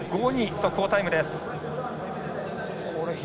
速報タイムです。